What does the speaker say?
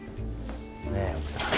ねえ奥さん？